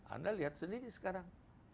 anda lihat sendiri sekarang